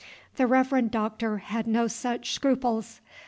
The Reverend Doctor had no such scruples.